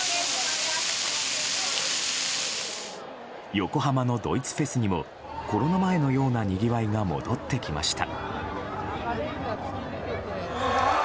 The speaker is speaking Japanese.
横浜のドイツフェスにもコロナ前のようなにぎわいが戻ってきました。